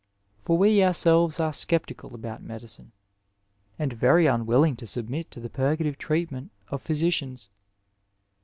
For we ourselves are sceptical about medicine, and very unwilling to submit to the purgative treatment of physicians.